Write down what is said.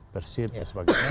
persir dan sebagainya